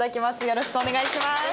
よろしくお願いします。